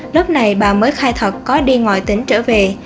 lúc này bà mới khai thật có đi ngoài tỉnh trở về